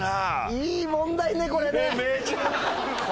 いい問題ねこれね。